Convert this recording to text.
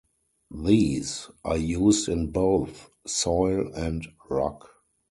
These are used in both soil and rock.